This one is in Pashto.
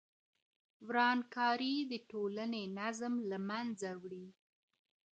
ورانکاري د ټولنې نظم له منځه وړي.